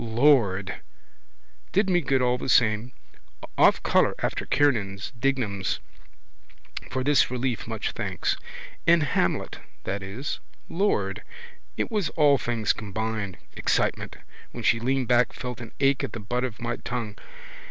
Lord! Did me good all the same. Off colour after Kiernan's, Dignam's. For this relief much thanks. In Hamlet, that is. Lord! It was all things combined. Excitement. When she leaned back, felt an ache at the butt of my tongue.